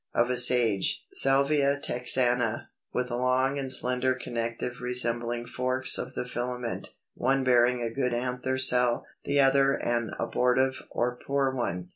Of a Sage (Salvia Texana); with long and slender connective resembling forks of the filament, one bearing a good anther cell; the other an abortive or poor one.